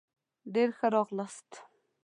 ډېر ښه راغلاست